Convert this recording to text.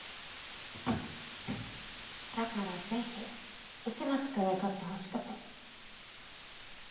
だからぜひ市松君に撮ってほしくて。